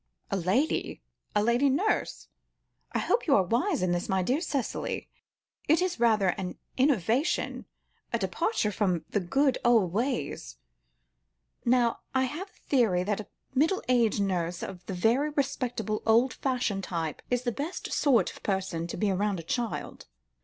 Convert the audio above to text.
"A lady? A lady nurse? I hope you are wise in this, my dear Cicely; it is rather an innovation, a departure from the good old ways. Now, I have a theory that a middle aged nurse of the very respectable, old fashioned type, is the best sort of person to be about a child."